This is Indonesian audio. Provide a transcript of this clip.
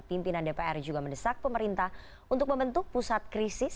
pimpinan dpr juga mendesak pemerintah untuk membentuk pusat krisis